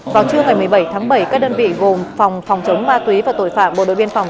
vào trưa ngày một mươi bảy tháng bảy các đơn vị gồm phòng phòng chống ma túy và tội phạm bộ đội biên phòng